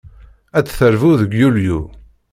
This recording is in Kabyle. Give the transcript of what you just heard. Ad d-terbu deg Yulyu.